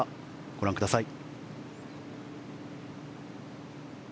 ご覧ください。